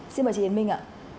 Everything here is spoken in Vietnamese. xin mời chị hiền minh ạ